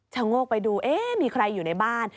โงกไปดูเอ๊ะมีใครอยู่ในบ้าน